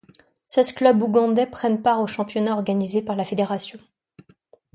Seize clubs ougandais prennent part au championnat organisé par la fédération.